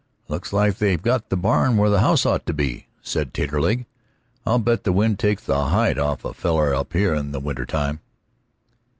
"Looks like they've got the barn where the house ought to be," said Taterleg. "I'll bet the wind takes the hide off of a feller up here in the wintertime."